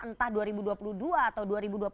entah dua ribu dua puluh dua atau dua ribu dua puluh empat